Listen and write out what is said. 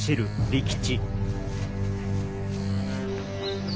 利吉！